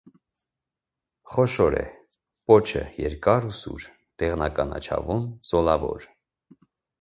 Խոշոր է, պոչը՝ երկար ու սուր, դեղնականաչավուն, զոլավոր։